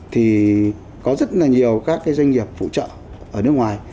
thì có rất là nhiều các cái doanh nghiệp phụ trợ ở nước ngoài